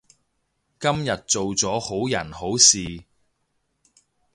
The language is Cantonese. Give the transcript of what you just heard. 今日做咗好人好事